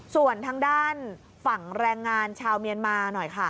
ส่วนทางด้านฝั่งแรงงานชาวเมียนมาหน่อยค่ะ